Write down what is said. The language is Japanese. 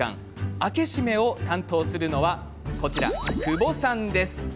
開け閉めを担当するのはこちら、久保さんです。